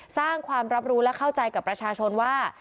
สร้างความรับรู้และเข้าใจกับประชาชนว่า